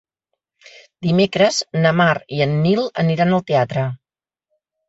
Dimecres na Mar i en Nil aniran al teatre.